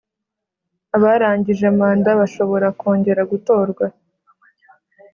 Abarangije manda bashobora kongera gutorwa